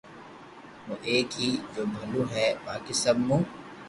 او ايڪ ھي جو ڀلو ھو باقي سب مون